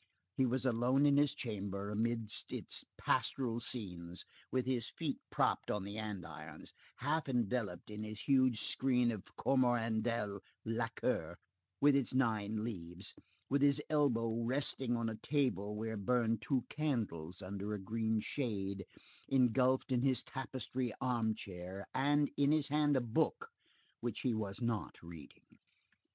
He was alone in his chamber, amid its pastoral scenes, with his feet propped on the andirons, half enveloped in his huge screen of coromandel lacquer, with its nine leaves, with his elbow resting on a table where burned two candles under a green shade, engulfed in his tapestry armchair, and in his hand a book which he was not reading.